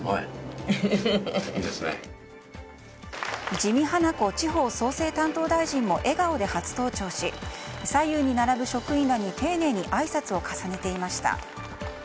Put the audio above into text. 自見英子地方創生担当大臣も笑顔で初登庁し左右に並ぶ職員らに丁寧にあいさつを重ねていました。